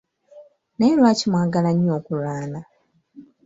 Naye lwaki mwagala nnyo okulwana?